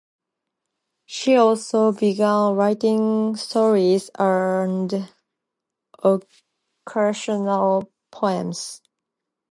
She also began writing stories and occasional poems.